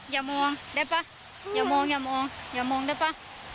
อย่ามองได้ป่ะอย่ามองอย่ามองอย่ามองได้ป่ะ